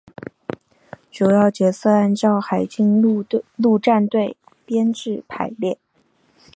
主要角色按照海军陆战队编制排列。